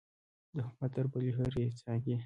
د حکومت تر بلې هرې څانګې.